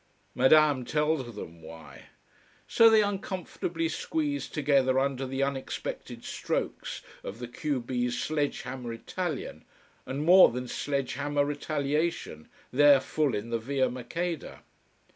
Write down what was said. Madam tells them why. So they uncomfortably squeeze together under the unexpected strokes of the q b's sledge hammer Italian and more than sledge hammer retaliation, there full in the Via Maqueda.